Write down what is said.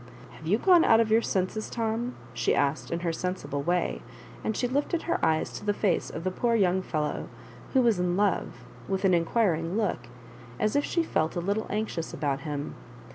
" Have you gone out of your senses, TomT she asked, in her sensible way; and she lifted her eyes to the face of the poor young fellow who was in love, with an inquiring look, as if she felt a little anxious about him.